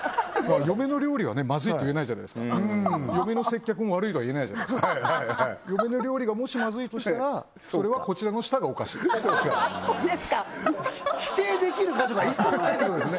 嫁の料理はまずいと言えない嫁の接客も悪いとは言えないじゃないですか嫁の料理がもしまずいとしたらそれはこちらの舌がおかしいそうか否定できる箇所が１個もないってことですね